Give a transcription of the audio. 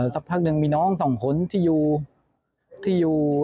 สักพักนึงมีน้องสองคนที่อยู่